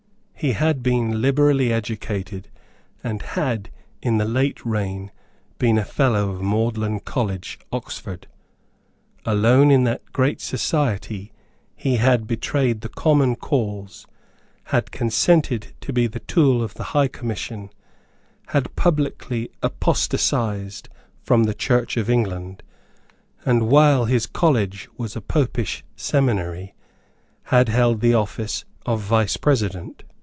He had been liberally educated, and had, in the late reign, been a fellow of Magdalene College, Oxford. Alone in that great society he had betrayed the common cause, had consented to be the tool of the High Commission, had publicly apostatized from the Church of England, and, while his college was a Popish seminary, had held the office of Vice President.